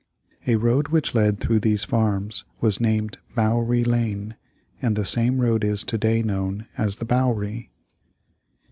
A road which led through these farms was named Bouwerie Lane, and the same road is to day known as The Bowery.